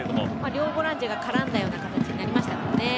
両ボランチが絡んだような形になりましたからね。